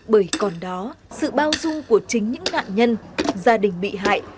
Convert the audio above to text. bởi còn đó sự bao dung của chính những nạn nhân gia đình bị hại